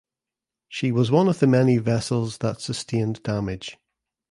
She was one of the many vessels that sustained damage.